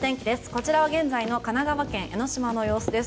こちらは現在の神奈川県江の島の様子です。